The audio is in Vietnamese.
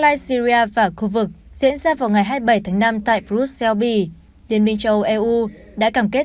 lai syria và khu vực diễn ra vào ngày hai mươi bảy tháng năm tại brussels bì liên minh châu âu đã cảm kết